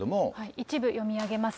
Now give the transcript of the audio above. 一部読み上げます。